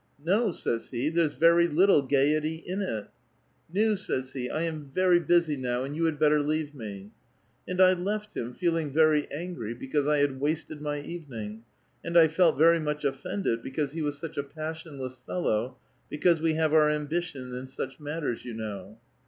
' No,' says he, ' there's very little gayety in it. Nu!^ says he, 'I am very busy now, and you had better leave me.' And I left him, feeling Very angi'y because I had wasted my evening ; and I felt Very much offended because he was such a passionless bellow, because we have our ambition in such matters, you know.